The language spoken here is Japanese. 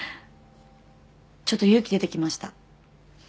ちょっと勇気出てきました。